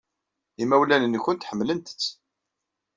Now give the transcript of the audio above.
Imawlan-nwent ḥemmlen-tt.